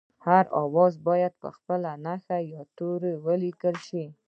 هر آواز باید په خپله نښه یا توري ولیکل شي